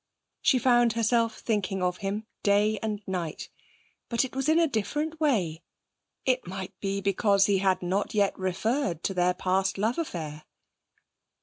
She found herself thinking of him day and night, but it was in a different way. It might be because he had not yet referred to their past love affair.